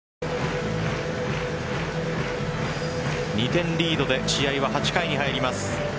２点リードで試合は８回に入ります。